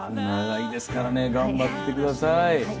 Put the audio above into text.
長いですからね頑張ってください。